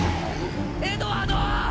エドワード！！